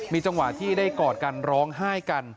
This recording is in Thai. จังหวะที่ได้กอดกันร้องไห้กัน